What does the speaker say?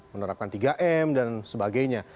menerapkan tiga m dan sebagainya